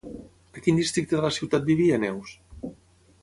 A quin districte de la ciutat vivia Neus?